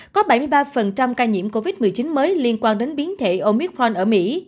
có bảy mươi ba ca nhiễm covid một mươi chín mới liên quan đến biến thể omithfron ở mỹ